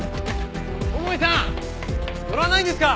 桃井さん乗らないんですか？